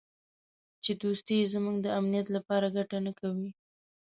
چې دوستي یې زموږ د امنیت لپاره ګټه نه کوي.